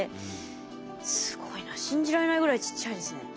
信じられないぐらいちっちゃいですね。